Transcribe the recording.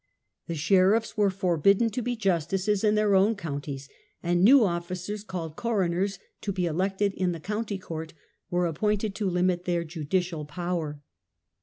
The sheriffs were Hubert forbidden to be justices in their own coun waiter. ties, and new officials, called coroners, to be elected in the county court, were appointed to limit their judicial power.